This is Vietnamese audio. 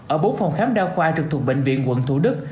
ở bốn phòng khám đa khoa trực thuộc bệnh viện quận thủ đức